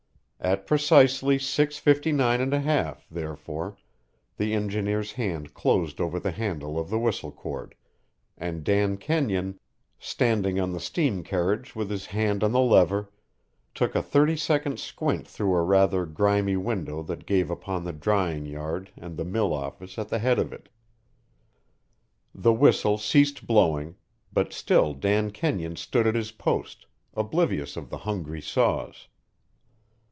At precisely six fifty nine and a half, therefore, the engineer's hand closed over the handle of the whistle cord, and Dan Kenyon, standing on the steam carriage with his hand on the lever, took a thirty second squint through a rather grimy window that gave upon the drying yard and the mill office at the head of it. The whistle ceased blowing, but still Dan Kenyon stood at his post, oblivious of the hungry saws.